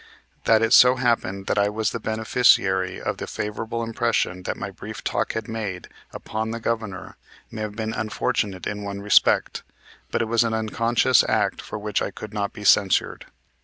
That it so happened that I was the beneficiary of the favorable impression that my brief talk had made upon the Governor may have been unfortunate in one respect, but it was an unconscious act for which I could not be censured.